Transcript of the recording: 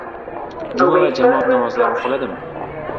Juma va jamoat namozlari o‘qiladimi?